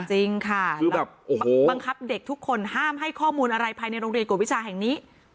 จริงค่ะบังคับเด็กทุกคนห้ามให้ข้อมูลอะไรภายในโรงเรียนกฎวิชาแห่งนี้